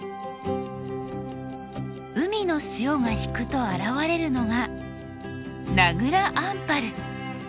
海の潮が引くと現れるのが名蔵アンパル。